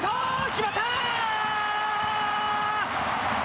決まった！